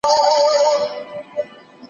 رسول الله د خپلو لوڼو نظر اخیستی وو.